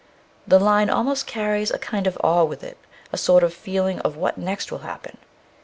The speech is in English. The line almost carries a kind of awe with it, a sort of feeling of "what next will happen?"